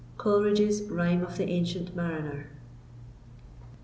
COLERIDGE'S Rime of the Ancient Mariner.